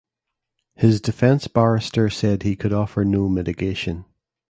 His defence barrister said he could offer no mitigation.